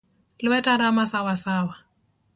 Lueta rama Sawa sawa.